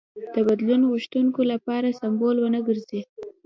د بدلون غوښتونکو لپاره سمبول ونه ګرځي.